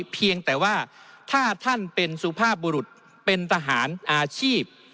เพียงแต่ว่าถ้าท่านเป็นสุภาพบุรุษเป็นทหารอาชีพ